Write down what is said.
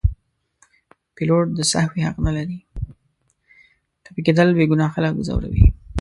ټپي کېدل بېګناه خلک ځوروي.